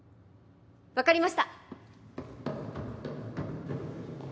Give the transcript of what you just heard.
分かりました。